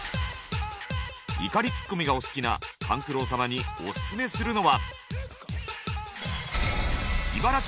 怒りツッコミがお好きな勘九郎様にオススメするのは。